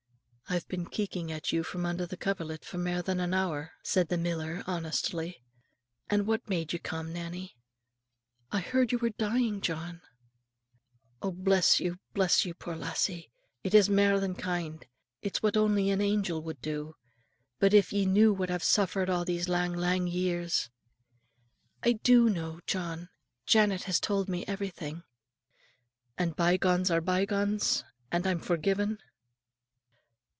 "I've been keeking at you from under the coverlit for mair than an hour," said the miller, honestly. "And what made ye come, Nannie?" "I heard you were dying, John." "Oh! bless you, bless you, poor lassie; it is mair than kind, it's what only an angel would do. But if ye knew what I've suffered a' these lang lang years, " "I do know, John; Janet has told me everything." "And bye gones are bye gones; and I'm forgiven?"